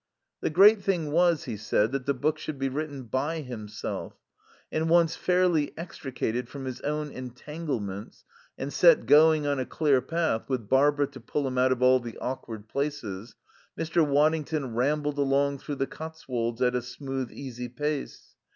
The great thing was, he said, that the book should be written by himself. And once fairly extricated from his own entanglements and set going on a clear path, with Barbara to pull him out of all the awkward places, Mr. Waddington rambled along through the Cotswolds at a smooth, easy pace.